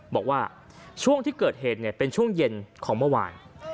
บอกว่าช่วงที่เกิดเหตุเป็นช่วงเย็นของเมื่อวาน